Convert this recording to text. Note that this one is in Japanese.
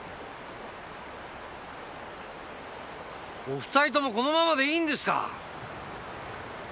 お２人ともこのままでいいんですか！